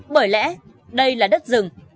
bởi lẽ đây là đất rừng